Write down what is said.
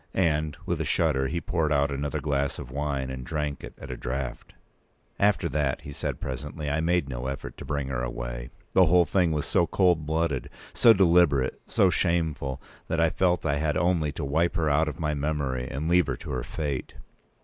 And, with a shudder, he poured out another glass of wine and drank it at a draught. "After that," he said, presently, "I made no effort to bring her away. The whole thing was so cold blooded, so deliberate, so shameful, that I felt I had only to wipe her out of my memory, and leave her to her fate.